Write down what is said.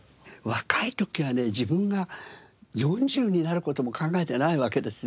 若い時はね自分が４０になる事も考えてないわけですよ